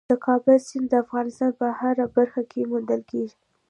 د کابل سیند د افغانستان په هره برخه کې موندل کېږي.